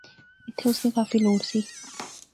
ایتھیں اس نی کافی لوڑ سی